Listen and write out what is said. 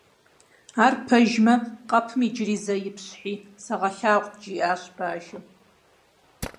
- Ар пэжмэ, къэпым иджыри зэ ипщхьи, сыгъэлъагъут, - жиӏащ бажэм.